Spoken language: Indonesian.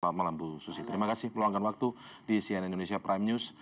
selamat malam bu susi terima kasih meluangkan waktu di cnn indonesia prime news